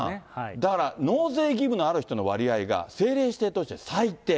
だから納税義務のある人の割合が政令指定都市で最低。